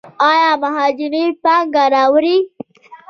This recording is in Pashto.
آیا مهاجرین پانګه راوړي؟